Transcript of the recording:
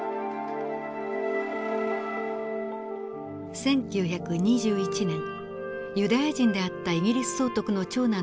１９２１年ユダヤ人であったイギリス総督の長男の結婚式です。